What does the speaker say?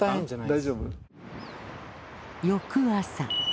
翌朝。